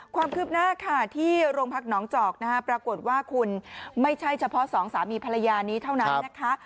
ความคืบหน้าค่ะที่โรงพักหนองจอกนะฮะปรากฏว่าคุณไม่ใช่เฉพาะสองสามีภรรยานี้เท่านั้นนะคะ